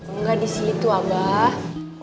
enggak di situ abah